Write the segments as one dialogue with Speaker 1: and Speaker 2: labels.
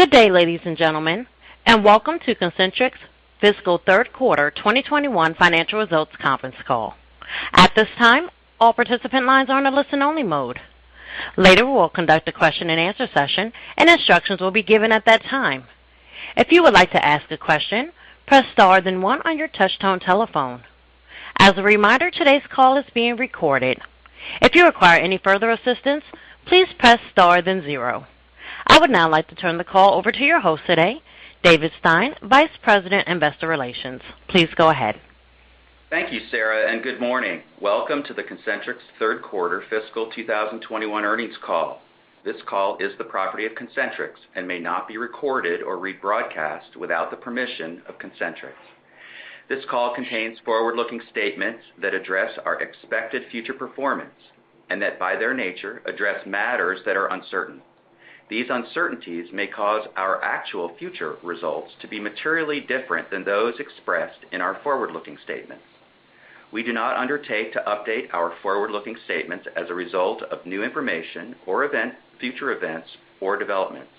Speaker 1: Good day, ladies and gentlemen, and welcome to Concentrix fiscal third quarter 2021 financial results conference call. At this time, all participant lines are in a listen only mode. Later we will conduct a Question-and-Answer session and instructions will be given at that time. If you would like to ask a question, press star then one on your touchtone telephone. As a reminder, today's call is being recorded. If you require any further assistance, please press star then zero. I would now like to turn the call over to your host today, David Stein, Vice President, Investor Relations. Please go ahead.
Speaker 2: Thank you, Sarah, and good morning. Welcome to the Concentrix third quarter fiscal 2021 earnings call. This call is the property of Concentrix and may not be recorded or rebroadcast without the permission of Concentrix. This call contains forward-looking statements that address our expected future performance and that, by their nature, address matters that are uncertain. These uncertainties may cause our actual future results to be materially different than those expressed in our forward-looking statements. We do not undertake to update our forward-looking statements as a result of new information or future events or developments.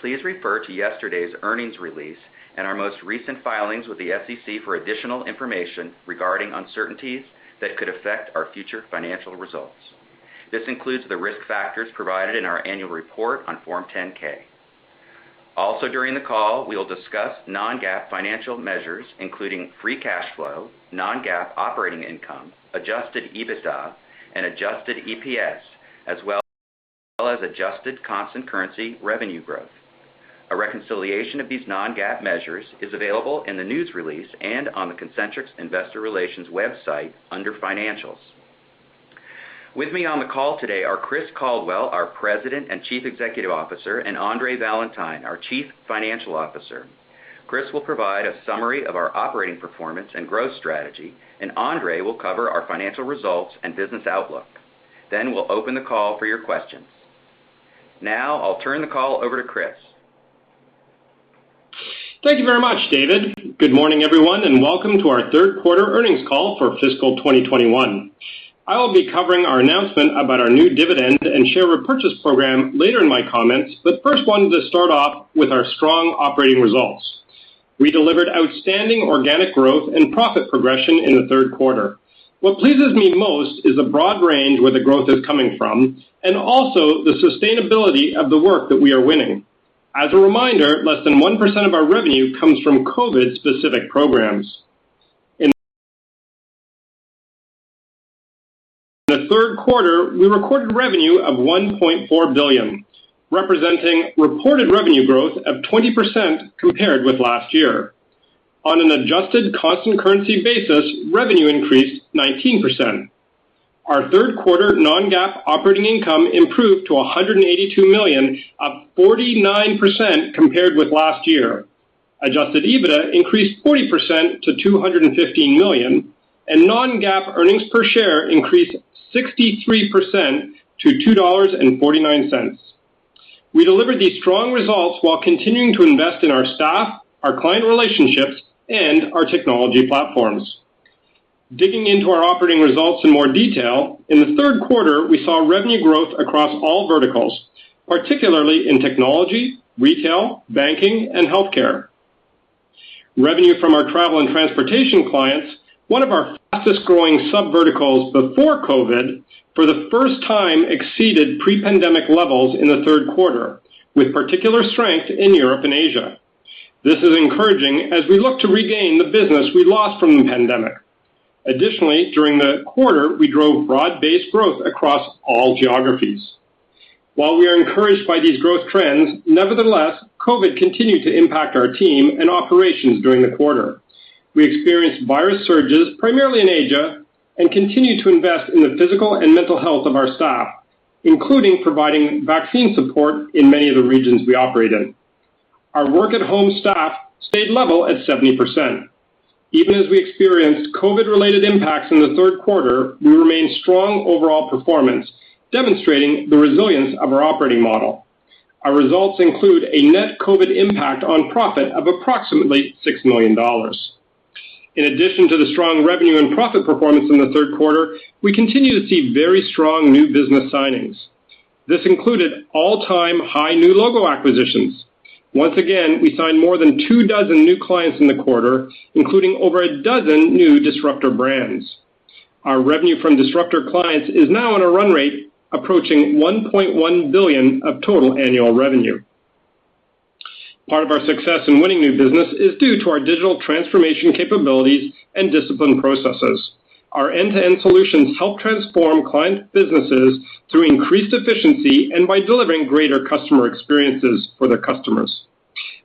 Speaker 2: Please refer to yesterday's earnings release and our most recent filings with the SEC for additional information regarding uncertainties that could affect our future financial results. This includes the risk factors provided in our annual report on Form 10-K. During the call, we will discuss non-GAAP financial measures, including free cash flow, non-GAAP operating income, adjusted EBITDA and adjusted EPS, as well as adjusted constant currency revenue growth. A reconciliation of these non-GAAP measures is available in the news release and on the Concentrix Investor Relations website under Financials. With me on the call today are Chris Caldwell, our President and Chief Executive Officer, and Andre Valentine, our Chief Financial Officer. Chris will provide a summary of our operating performance and growth strategy, and Andre will cover our financial results and business outlook. We'll open the call for your questions. I'll turn the call over to Chris.
Speaker 3: Thank you very much, David. Good morning, everyone, and welcome to our third quarter earnings call for fiscal 2021. I will be covering our announcement about our new dividend and share repurchase program later in my comments, first wanted to start off with our strong operating results. We delivered outstanding organic growth and profit progression in the third quarter. What pleases me most is the broad range where the growth is coming from and also the sustainability of the work that we are winning. As a reminder, less than 1% of our revenue comes from COVID-specific programs. In the third quarter, we recorded revenue of $1.4 billion, representing reported revenue growth of 20% compared with last year. On an adjusted constant currency basis, revenue increased 19%. Our third quarter non-GAAP operating income improved to $182 million, up 49% compared with last year. Adjusted EBITDA increased 40% to $215 million, and non-GAAP earnings per share increased 63% to $2.49. We delivered these strong results while continuing to invest in our staff, our client relationships, and our technology platforms. Digging into our operating results in more detail, in the third quarter, we saw revenue growth across all verticals, particularly in technology, retail, banking and healthcare. Revenue from our travel and transportation clients, one of our fastest growing sub verticals before COVID, for the first time exceeded pre-pandemic levels in the third quarter, with particular strength in Europe and Asia. This is encouraging as we look to regain the business we lost from the pandemic. Additionally, during the quarter, we drove broad-based growth across all geographies. While we are encouraged by these growth trends, nevertheless, COVID continued to impact our team and operations during the quarter. We experienced virus surges, primarily in Asia, and continued to invest in the physical and mental health of our staff, including providing vaccine support in many of the regions we operate in. Our work at home staff stayed level at 70%. Even as we experienced COVID related impacts in the third quarter, we remain strong overall performance, demonstrating the resilience of our operating model. Our results include a net COVID impact on profit of approximately $6 million. In addition to the strong revenue and profit performance in the third quarter, we continue to see very strong new business signings. This included all-time high new logo acquisitions. Once again, we signed more than two dozen new clients in the quarter, including over a dozen new disruptor brands. Our revenue from disruptor clients is now on a run rate approaching $1.1 billion of total annual revenue. Part of our success in winning new business is due to our digital transformation capabilities and disciplined processes. Our end-to-end solutions help transform client businesses through increased efficiency and by delivering greater customer experiences for their customers.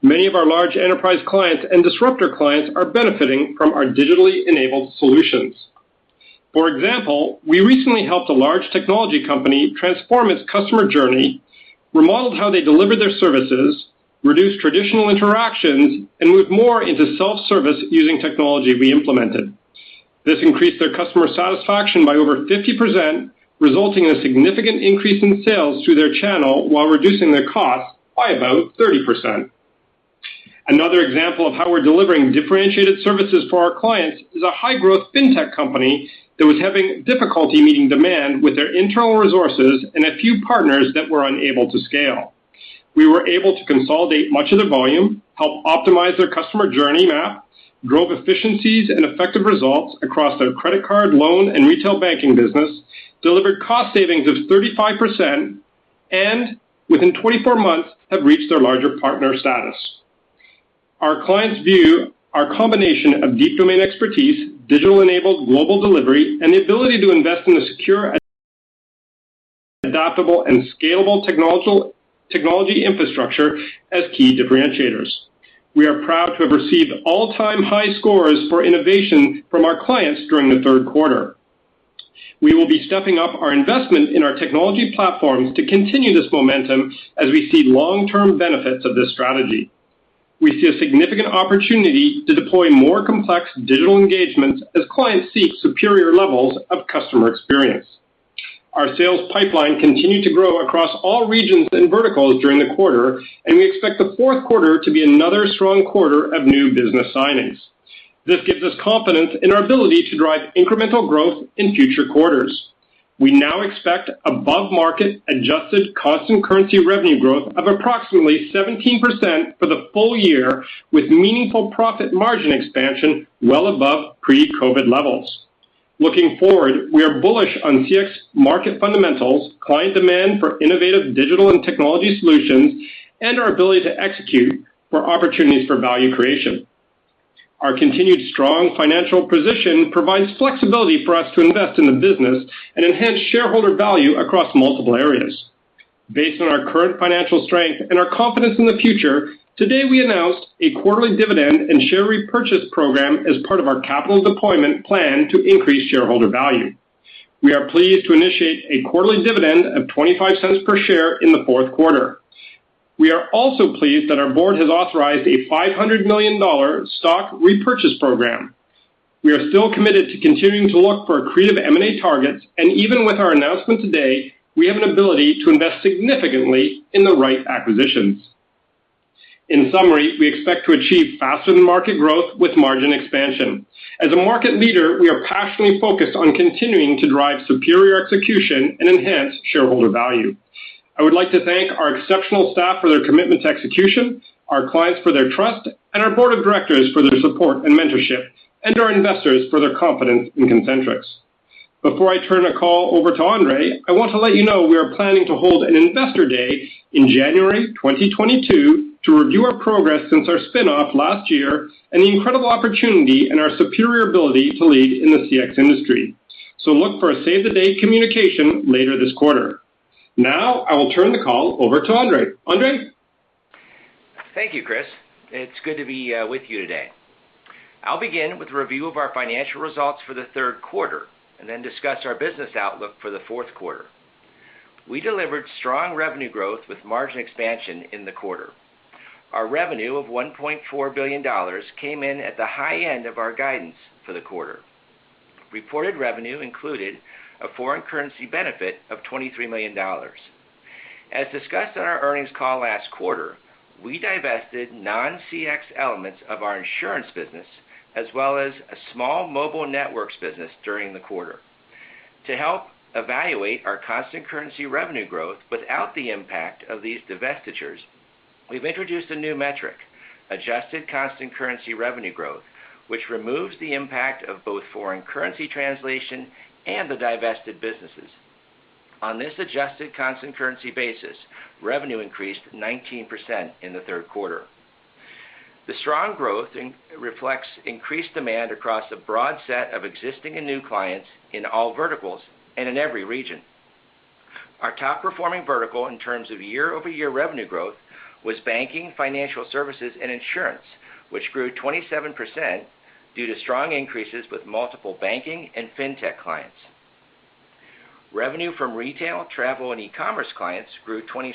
Speaker 3: Many of our large enterprise clients and disruptor clients are benefiting from our digitally enabled solutions. For example, we recently helped a large technology company transform its customer journey, remodeled how they delivered their services, reduced traditional interactions, and moved more into self-service using technology we implemented. This increased their customer satisfaction by over 50%, resulting in a significant increase in sales through their channel while reducing their costs by about 30%. Another example of how we're delivering differentiated services for our clients is a high-growth fintech company that was having difficulty meeting demand with their internal resources and a few partners that were unable to scale. We were able to consolidate much of their volume, help optimize their customer journey map, drove efficiencies and effective results across their credit card loan and retail banking business, delivered cost savings of 35%, and within 24 months, have reached their larger partner status. Our clients view our combination of deep domain expertise, digital-enabled global delivery, and the ability to invest in a secure, adaptable, and scalable technology infrastructure as key differentiators. We are proud to have received all-time high scores for innovation from our clients during the third quarter. We will be stepping up our investment in our technology platforms to continue this momentum as we see long-term benefits of this strategy. We see a significant opportunity to deploy more complex digital engagements as clients seek superior levels of customer experience. Our sales pipeline continued to grow across all regions and verticals during the quarter. We expect the fourth quarter to be another strong quarter of new business signings. This gives us confidence in our ability to drive incremental growth in future quarters. We now expect above-market adjusted constant currency revenue growth of approximately 17% for the full year, with meaningful profit margin expansion well above pre-COVID levels. Looking forward, we are bullish on CX market fundamentals, client demand for innovative digital and technology solutions, and our ability to execute for opportunities for value creation. Our continued strong financial position provides flexibility for us to invest in the business and enhance shareholder value across multiple areas. Based on our current financial strength and our confidence in the future, today, we announced a quarterly dividend and share repurchase program as part of our capital deployment plan to increase shareholder value. We are pleased to initiate a quarterly dividend of $0.25 per share in the fourth quarter. We are also pleased that our board has authorized a $500 million stock repurchase program. We are still committed to continuing to look for accretive M&A targets. Even with our announcement today, we have an ability to invest significantly in the right acquisitions. In summary, we expect to achieve faster-than-market growth with margin expansion. As a market leader, we are passionately focused on continuing to drive superior execution and enhance shareholder value. I would like to thank our exceptional staff for their commitment to execution, our clients for their trust, and our board of directors for their support and mentorship, and our investors for their confidence in Concentrix. Before I turn the call over to Andre, I want to let you know we are planning to hold an investor day in January 2022 to review our progress since our spin-off last year and the incredible opportunity and our superior ability to lead in the CX industry. Look for a save-the-date communication later this quarter. Now, I will turn the call over to Andre. Andre?
Speaker 4: Thank you, Chris. It's good to be with you today. I'll begin with a review of our financial results for the third quarter and then discuss our business outlook for the fourth quarter. We delivered strong revenue growth with margin expansion in the quarter. Our revenue of $1.4 billion came in at the high end of our guidance for the quarter. Reported revenue included a foreign currency benefit of $23 million. As discussed on our earnings call last quarter, we divested non-CX elements of our insurance business as well as a small mobile networks business during the quarter. To help evaluate our constant currency revenue growth without the impact of these divestitures, we've introduced a new metric, adjusted constant currency revenue growth, which removes the impact of both foreign currency translation and the divested businesses. On this adjusted constant currency basis, revenue increased 19% in the third quarter. The strong growth reflects increased demand across a broad set of existing and new clients in all verticals and in every region. Our top-performing vertical in terms of year-over-year revenue growth was banking, financial services, and insurance, which grew 27% due to strong increases with multiple banking and fintech clients. Revenue from retail, travel, and e-commerce clients grew 26%.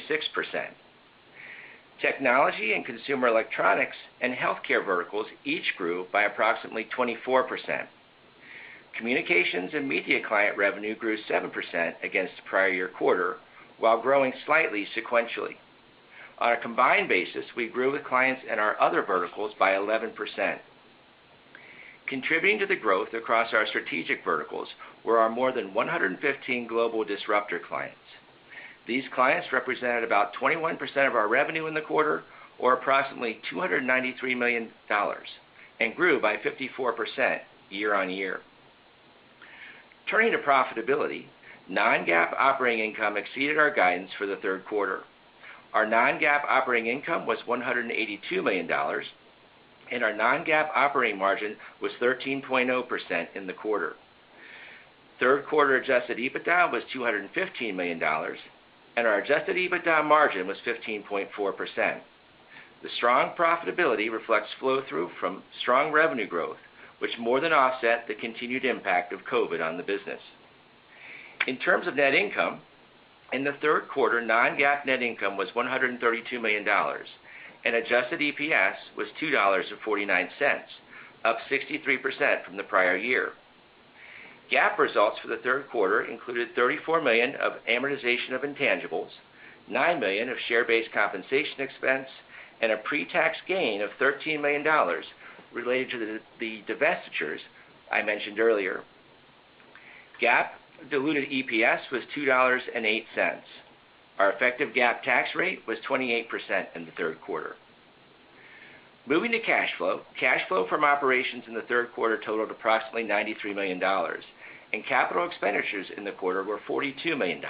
Speaker 4: Technology and consumer electronics and healthcare verticals each grew by approximately 24%. Communications and media client revenue grew 7% against the prior year quarter while growing slightly sequentially. On a combined basis, we grew with clients in our other verticals by 11%. Contributing to the growth across our strategic verticals were our more than 115 global disruptor clients. These clients represented about 21% of our revenue in the quarter or approximately $293 million and grew by 54% year-on-year. Turning to profitability, non-GAAP operating income exceeded our guidance for the third quarter. Our non-GAAP operating income was $182 million, and our non-GAAP operating margin was 13.0% in the quarter. Third quarter adjusted EBITDA was $215 million, and our adjusted EBITDA margin was 15.4%. The strong profitability reflects flow-through from strong revenue growth, which more than offset the continued impact of COVID on the business. In terms of net income, in the third quarter, non-GAAP net income was $132 million and adjusted EPS was $2.49, up 63% from the prior year. GAAP results for the third quarter included $34 million of amortization of intangibles, $9 million of share-based compensation expense, and a pre-tax gain of $13 million related to the divestitures I mentioned earlier. GAAP diluted EPS was $2.08. Our effective GAAP tax rate was 28% in the third quarter. Moving to cash flow. Cash flow from operations in the third quarter totaled approximately $93 million, and capital expenditures in the quarter were $42 million.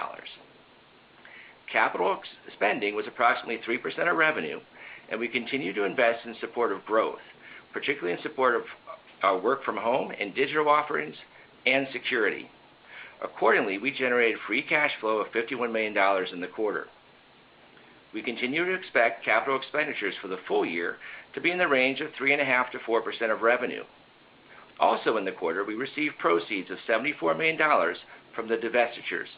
Speaker 4: Capital spending was approximately 3% of revenue, and we continue to invest in support of growth, particularly in support of our work from home and digital offerings, and security. Accordingly, we generated free cash flow of $51 million in the quarter. We continue to expect capital expenditures for the full year to be in the range of 3.5%-4% of revenue. In the quarter, we received proceeds of $74 million from the divestitures.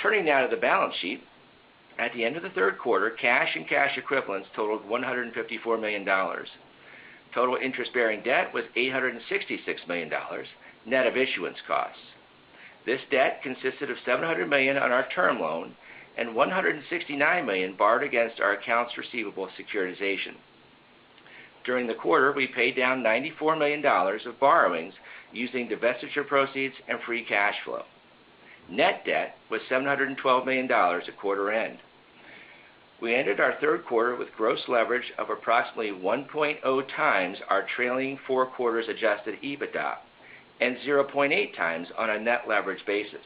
Speaker 4: Turning now to the balance sheet. At the end of the third quarter, cash and cash equivalents totaled $154 million. Total interest-bearing debt was $866 million, net of issuance costs. This debt consisted of $700 million on our term loan and $169 million borrowed against our accounts receivable securitization. During the quarter, we paid down $94 million of borrowings using divestiture proceeds and free cash flow. Net debt was $712 million at quarter end. We ended our third quarter with gross leverage of approximately 1.0 times our trailing four quarters adjusted EBITDA and 0.8 times on a net leverage basis.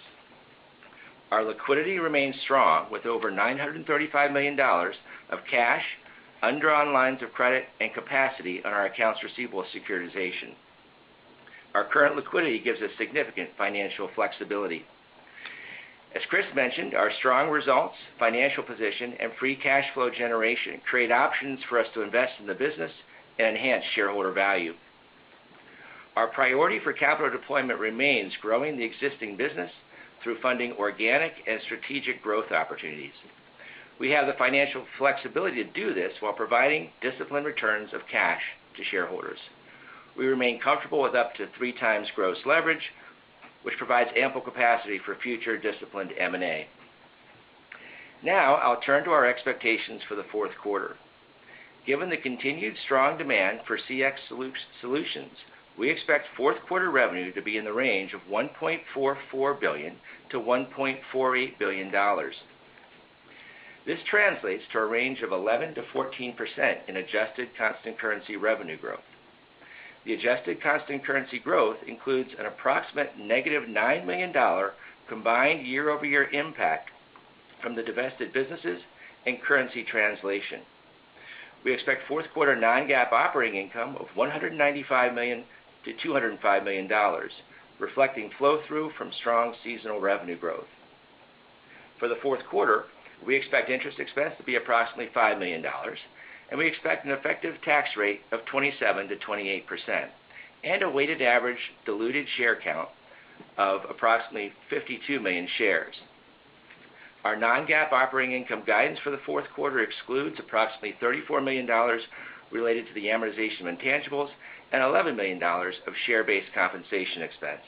Speaker 4: Our liquidity remains strong with over $935 million of cash, undrawn lines of credit, and capacity on our accounts receivable securitization. Our current liquidity gives us significant financial flexibility. As Chris mentioned, our strong results, financial position, and free cash flow generation create options for us to invest in the business and enhance shareholder value. Our priority for capital deployment remains growing the existing business through funding organic and strategic growth opportunities. We have the financial flexibility to do this while providing disciplined returns of cash to shareholders. We remain comfortable with up to 3x gross leverage, which provides ample capacity for future disciplined M&A. Now, I'll turn to our expectations for the fourth quarter. Given the continued strong demand for CX solutions, we expect fourth quarter revenue to be in the range of $1.44 billion-$1.48 billion. This translates to a range of 11%-14% in adjusted constant currency revenue growth. The adjusted constant currency growth includes an approximate -$9 million combined year-over-year impact from the divested businesses and currency translation. We expect fourth quarter non-GAAP operating income of $195 million-$205 million, reflecting flow-through from strong seasonal revenue growth. For the fourth quarter, we expect interest expense to be approximately $5 million, and we expect an effective tax rate of 27%-28%, and a weighted average diluted share count of approximately 52 million shares. Our non-GAAP operating income guidance for the fourth quarter excludes approximately $34 million related to the amortization of intangibles and $11 million of share-based compensation expense.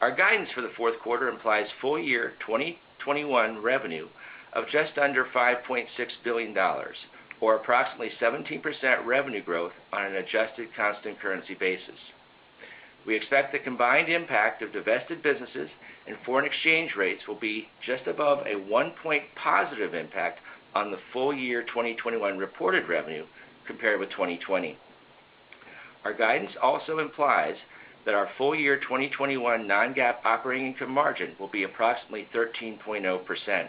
Speaker 4: Our guidance for the fourth quarter implies full year 2021 revenue of just under $5.6 billion, or approximately 17% revenue growth on an adjusted constant currency basis. We expect the combined impact of divested businesses and foreign exchange rates will be just above a 1 point positive impact on the full year 2021 reported revenue compared with 2020. Our guidance also implies that our full year 2021 non-GAAP operating income margin will be approximately 13.0%.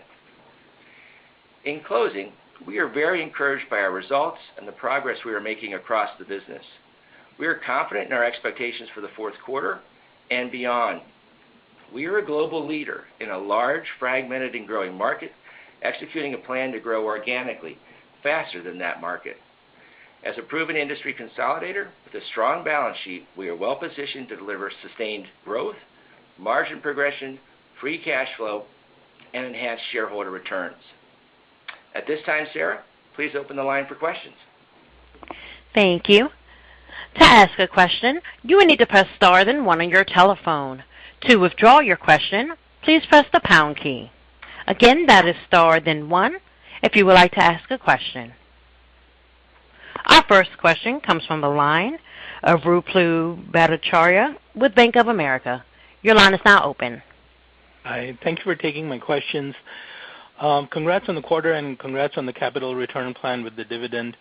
Speaker 4: In closing, we are very encouraged by our results and the progress we are making across the business. We are confident in our expectations for the fourth quarter and beyond. We are a global leader in a large, fragmented, and growing market, executing a plan to grow organically faster than that market. As a proven industry consolidator with a strong balance sheet, we are well positioned to deliver sustained growth, margin progression, free cash flow, and enhanced shareholder returns. At this time, Sarah, please open the line for questions.
Speaker 1: Thank you. To ask a question, you will need to press star then one on your telephone. To withdraw your question, please press the pound key. Again, that is star then one if you would like to ask a question. Our first question comes from the line of Ruplu Bhattacharya with Bank of America. Your line is now open.
Speaker 5: Hi. Thank you for taking my questions. Congrats on the quarter and congrats on the capital return plan with the dividend.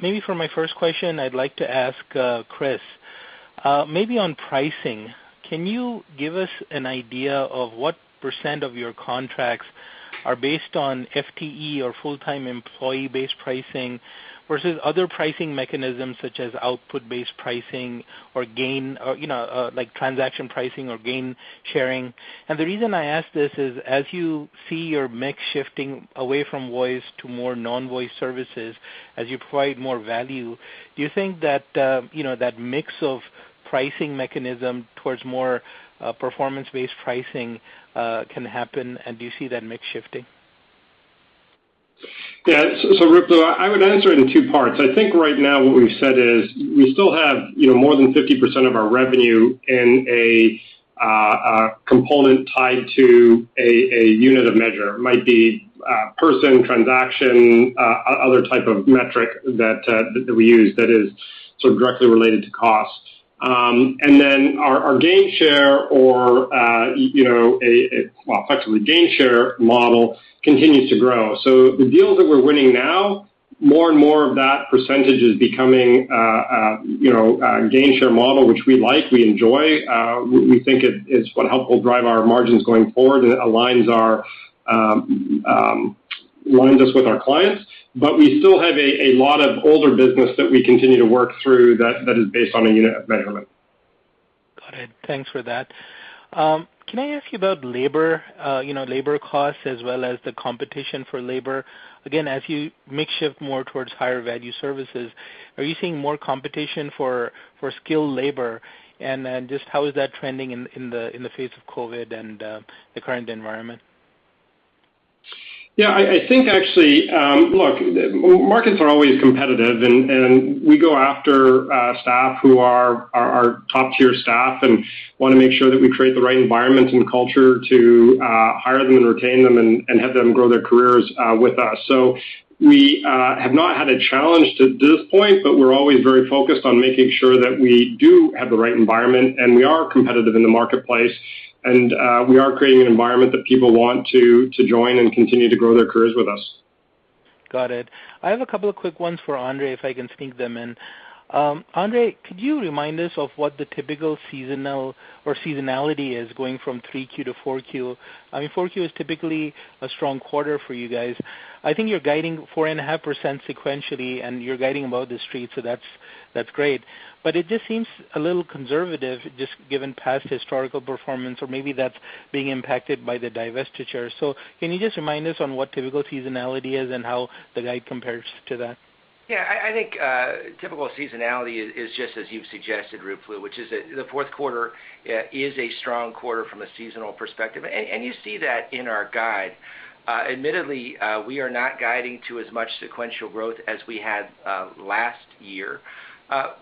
Speaker 5: Maybe for my first question, I'd like to ask Chris, maybe on pricing, can you give us an idea of what percent of your contracts are based on FTE or full-time employee-based pricing versus other pricing mechanisms such as output-based pricing or like transaction pricing or gain sharing? The reason I ask this is, as you see your mix shifting away from voice to more non-voice services, as you provide more value, do you think that mix of pricing mechanism towards more performance-based pricing can happen, and do you see that mix shifting?
Speaker 3: Yeah. Ruplu, I would answer it in two parts. I think right now what we've said is we still have more than 50% of our revenue in a component tied to a unit of measure. Might be person, transaction, other type of metric that we use that is sort of directly related to cost. Our gain share or actually gain share model continues to grow. The deals that we're winning now, more and more of that percentage is becoming a gain share model, which we like, we enjoy. We think it's what will help drive our margins going forward, and it aligns us with our clients. We still have a lot of older business that we continue to work through that is based on a unit of measurement.
Speaker 5: Got it. Thanks for that. Can I ask you about labor costs as well as the competition for labor? Again, as you make shift more towards higher value services, are you seeing more competition for skilled labor? Just how is that trending in the face of COVID and the current environment?
Speaker 3: Yeah, I think actually, look, markets are always competitive and we go after staff who are our top-tier staff and want to make sure that we create the right environment and culture to hire them and retain them and have them grow their careers with us. We have not had a challenge to this point, but we're always very focused on making sure that we do have the right environment, and we are competitive in the marketplace, and we are creating an environment that people want to join and continue to grow their careers with us.
Speaker 5: Got it. I have a couple of quick ones for Andre, if I can sneak them in. Andre, could you remind us of what the typical seasonal or seasonality is going from 3Q to 4Q? 4Q is typically a strong quarter for you guys. I think you're guiding 4.5% sequentially, and you're guiding above the Street, so that's great. It just seems a little conservative, just given past historical performance or maybe that's being impacted by the divestiture. Can you just remind us on what typical seasonality is and how the guide compares to that?
Speaker 4: Yeah, I think typical seasonality is just as you've suggested, Ruplu, which is that the fourth quarter is a strong quarter from a seasonal perspective. You see that in our guide. Admittedly, we are not guiding to as much sequential growth as we had last year.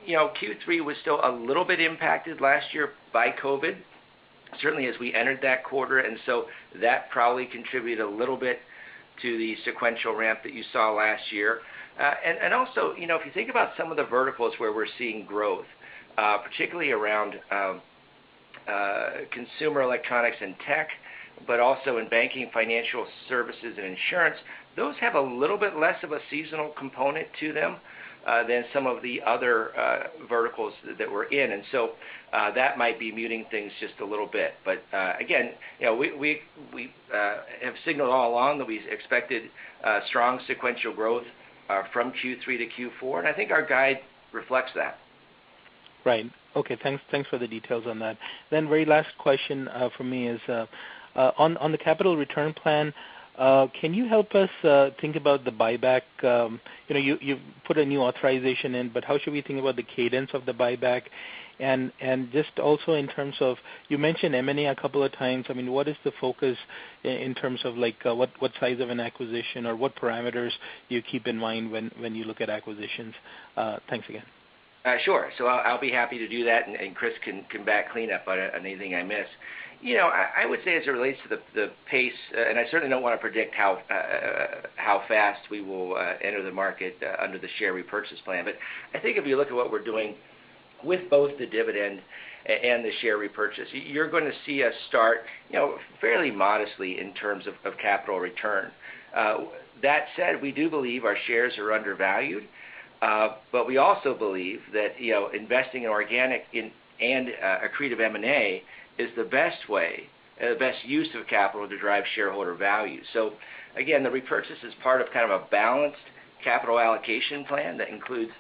Speaker 4: Q3 was still a little bit impacted last year by COVID, certainly as we entered that quarter, and so that probably contributed a little bit to the sequential ramp that you saw last year. Also, if you think about some of the verticals where we're seeing growth, particularly around consumer electronics and tech, but also in banking, financial services, and insurance, those have a little bit less of a seasonal component to them than some of the other verticals that we're in. That might be muting things just a little bit. Again, we have signaled all along that we expected strong sequential growth from Q3 to Q4, and I think our guide reflects that.
Speaker 5: Right. Okay, thanks for the details on that. Very last question from me is, on the capital return plan, can you help us think about the buyback? You've put a new authorization in, but how should we think about the cadence of the buyback and just also in terms of, you mentioned M&A a couple of times. What is the focus in terms of what size of an acquisition or what parameters do you keep in mind when you look at acquisitions? Thanks again.
Speaker 4: Sure. I'll be happy to do that, and Chris can come back clean up on anything I miss. I would say as it relates to the pace, and I certainly don't want to predict how fast we will enter the market under the share repurchase plan. I think if you look at what we're doing with both the dividend and the share repurchase, you're going to see us start fairly modestly in terms of capital return. That said, we do believe our shares are undervalued. We also believe that investing in organic and accretive M&A is the best use of capital to drive shareholder value. Again, the repurchase is part of kind of a balanced capital allocation plan that includes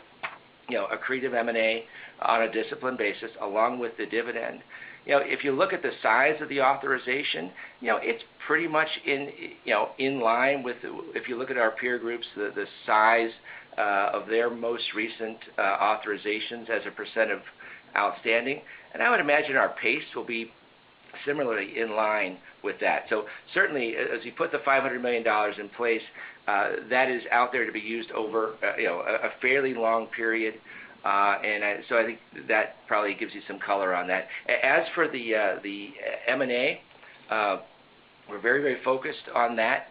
Speaker 4: accretive M&A on a disciplined basis along with the dividend. If you look at the size of the authorization, it's pretty much in line with, if you look at our peer groups, the size of their most recent authorizations as a percent of outstanding. I would imagine our pace will be similarly in line with that. Certainly, as you put the $500 million in place, that is out there to be used over a fairly long period. I think that probably gives you some color on that. As for the M&A, we're very focused on that.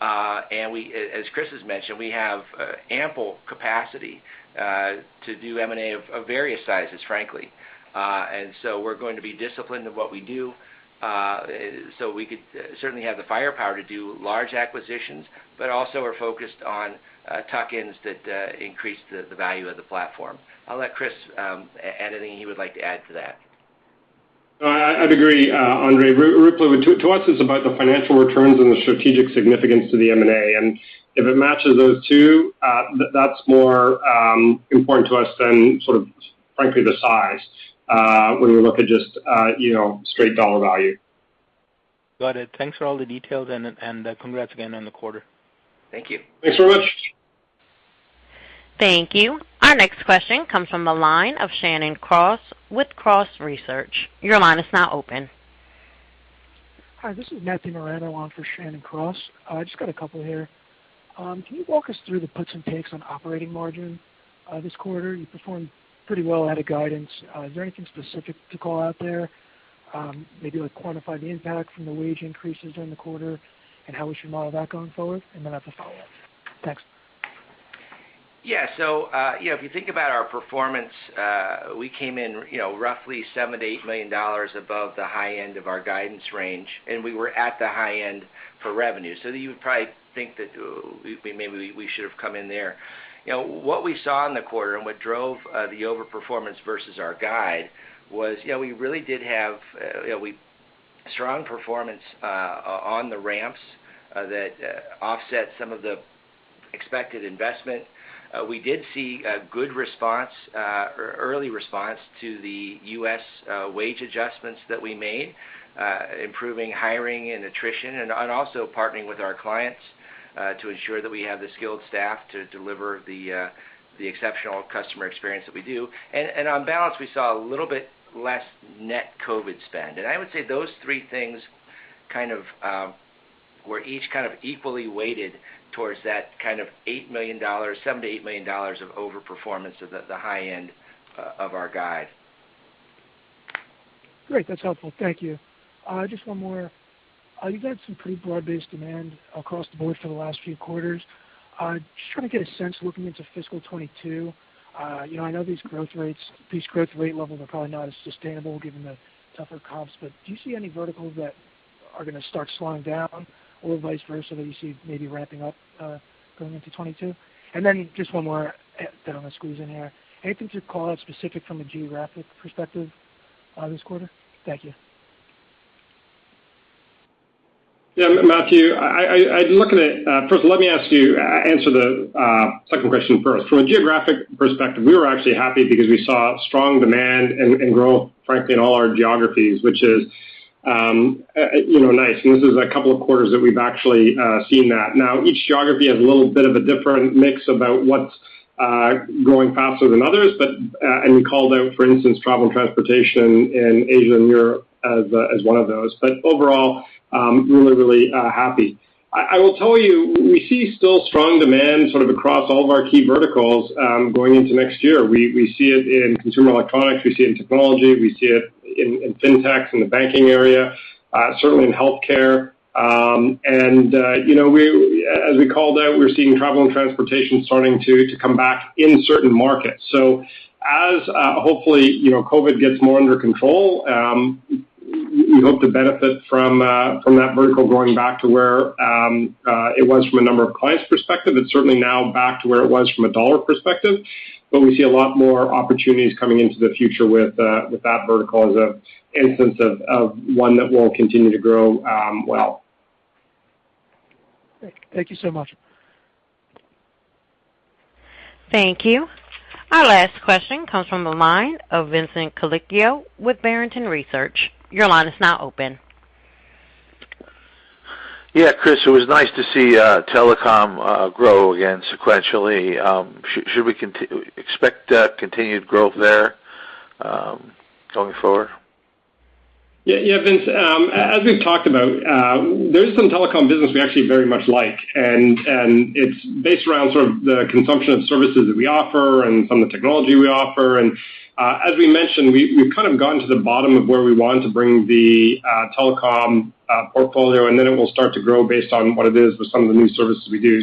Speaker 4: As Chris has mentioned, we have ample capacity to do M&A of various sizes, frankly. We're going to be disciplined in what we do. We could certainly have the firepower to do large acquisitions, but also are focused on tuck-ins that increase the value of the platform. I'll let Chris add anything he would like to add to that.
Speaker 3: I'd agree, Andre. Ruplu, to us, it's about the financial returns and the strategic significance to the M&A, and if it matches those two, that's more important to us than sort of, frankly, the size, when we look at just straight dollar value.
Speaker 5: Got it. Thanks for all the details. Congrats again on the quarter.
Speaker 4: Thank you.
Speaker 3: Thanks so much.
Speaker 1: Thank you. Our next question comes from the line of Shannon Cross with Cross Research. Your line is now open.
Speaker 6: Hi, this is Matthew Miranda on for Shannon Cross. I just got a couple here. Can you walk us through the puts and takes on operating margin this quarter? You performed pretty well out of guidance. Is there anything specific to call out there? Maybe quantify the impact from the wage increases during the quarter, and how we should model that going forward? Then I have a follow-up. Thanks.
Speaker 3: Yeah. If you think about our performance, we came in roughly $7 million-$8 million above the high end of our guidance range. We were at the high end for revenue. You would probably think that maybe we should have come in there. What we saw in the quarter, what drove the over-performance versus our guide was we really did have strong performance on the ramps that offset some of the expected investment. We did see a good response, early response to the U.S. wage adjustments that we made, improving hiring and attrition, and also partnering with our clients to ensure that we have the skilled staff to deliver the exceptional customer experience that we do. On balance, we saw a little bit less net COVID spend. I would say those three things were each kind of equally weighted towards that $7 million-$8 million of over-performance of the high end of our guide.
Speaker 6: Great. That's helpful. Thank you. Just one more. You've had some pretty broad-based demand across the board for the last few quarters. Just trying to get a sense looking into fiscal 2022. I know these growth rate levels are probably not as sustainable given the tougher comps, but do you see any verticals that are going to start slowing down, or vice versa, that you see maybe ramping up going into 2022? Then just one more that I'm going to squeeze in here. Anything to call out specific from a geographic perspective this quarter? Thank you.
Speaker 3: Yeah, Matthew. First, let me answer the second question first. From a geographic perspective, we were actually happy because we saw strong demand and growth, frankly, in all our geographies, which is nice. This is a couple quarters that we've actually seen that. Each geography has a little bit of a different mix about what's growing faster than others, and we called out, for instance, travel and transportation in Asia and Europe as one of those. Overall, really happy. I will tell you, we see still strong demand sort of across all of our key verticals going into next year. We see it in consumer electronics, we see it in technology, we see it in fintechs, in the banking area, certainly in healthcare. As we called out, we're seeing travel and transportation starting to come back in certain markets. As, hopefully, COVID gets more under control, we hope to benefit from that vertical going back to where it was from a number of clients perspective. It's certainly now back to where it was from a dollar perspective. We see a lot more opportunities coming into the future with that vertical as an instance of one that will continue to grow well.
Speaker 6: Thank you so much.
Speaker 1: Thank you. Our last question comes from the line of Vincent Colicchio with Barrington Research. Your line is now open.
Speaker 7: Chris, it was nice to see telecom grow again sequentially. Should we expect continued growth there going forward?
Speaker 3: Yeah, Vince. As we've talked about, there's some telecom business we actually very much like, and it's based around sort of the consumption of services that we offer and some of the technology we offer. As we mentioned, we've kind of gotten to the bottom of where we wanted to bring the telecom portfolio, and then it will start to grow based on what it is with some of the new services we do.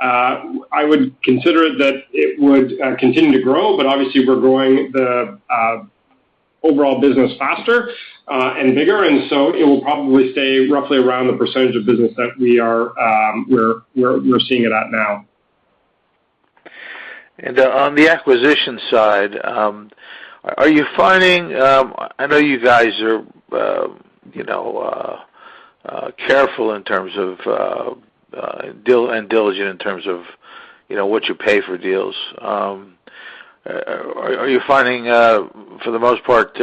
Speaker 3: I would consider that it would continue to grow, but obviously, we're growing the overall business faster and bigger, and so it will probably stay roughly around the percentage of business that we're seeing it at now.
Speaker 7: On the acquisition side, I know you guys are careful and diligent in terms of what you pay for deals. Are you finding, for the most part,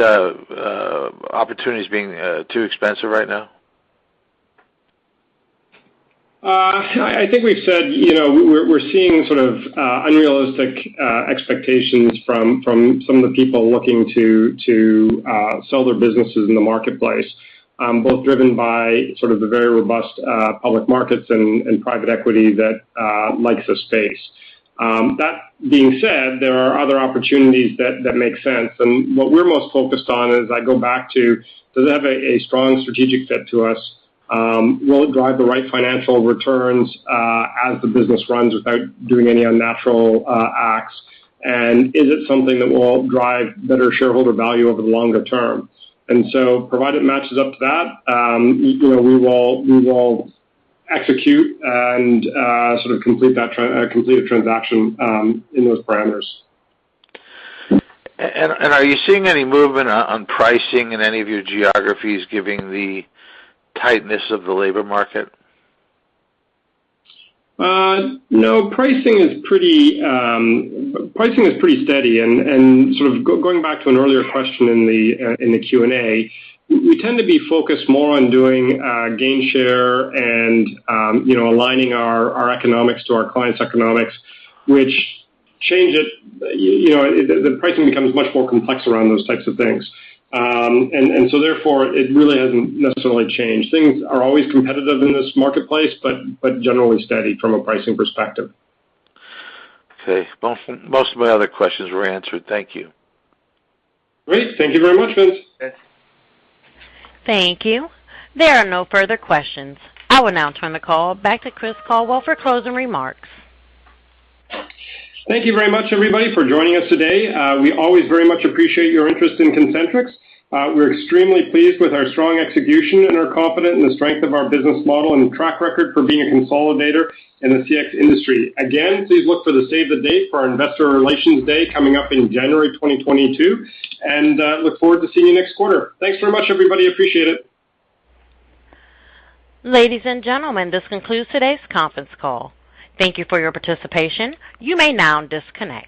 Speaker 7: opportunities being too expensive right now?
Speaker 3: I think we've said we're seeing sort of unrealistic expectations from some of the people looking to sell their businesses in the marketplace, both driven by sort of the very robust public markets and private equity that likes the space. That being said, there are other opportunities that make sense, and what we're most focused on is I go back to, does it have a strong strategic fit to us? Will it drive the right financial returns as the business runs without doing any unnatural acts? And is it something that will drive better shareholder value over the longer term? Provided it matches up to that, we will execute and sort of complete a transaction in those parameters.
Speaker 7: Are you seeing any movement on pricing in any of your geographies given the tightness of the labor market?
Speaker 3: No, pricing is pretty steady. Sort of going back to an earlier question in the Q&A, we tend to be focused more on doing gain share and aligning our economics to our clients' economics, which the pricing becomes much more complex around those types of things. Therefore, it really hasn't necessarily changed. Things are always competitive in this marketplace, but generally steady from a pricing perspective.
Speaker 7: Okay. Most of my other questions were answered. Thank you.
Speaker 3: Great. Thank you very much, Vince.
Speaker 7: Thanks.
Speaker 1: Thank you. There are no further questions. I will now turn the call back to Chris Caldwell for closing remarks.
Speaker 3: Thank you very much, everybody, for joining us today. We always very much appreciate your interest in Concentrix. We're extremely pleased with our strong execution, and are confident in the strength of our business model and track record for being a consolidator in the CX industry. Again, please look for the save the date for our Investor Relations Day coming up in January 2022, and look forward to seeing you next quarter. Thanks very much, everybody. Appreciate it.
Speaker 1: Ladies and gentlemen, this concludes today's conference call. Thank you for your participation. You may now disconnect.